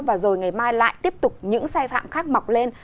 và rồi ngày mai lại tiếp tục những sai phạm khác mọc lên